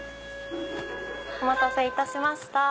お待たせいたしました。